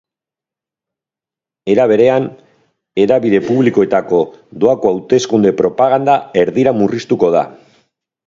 Era berean, hedabide publikoetako doako hauteskunde propaganada erdira murriztuko da.